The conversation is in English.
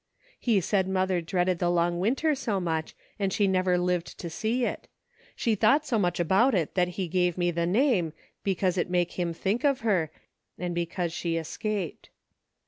" He said mother dreaded the long winter so much, and she never lived to see it. She thought so much about it, that he gave me the name, because it make him think of her, and because she escaped."